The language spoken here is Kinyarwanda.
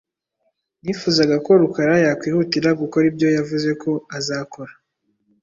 Nifuzaga ko Rukara yakwihutira gukora ibyo yavuze ko azakora.